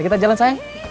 kita jalan sayang